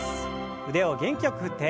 腕を元気よく振って。